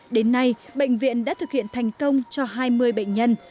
đến nay bệnh viện đã thực hiện thành công cho hai mươi bệnh nhân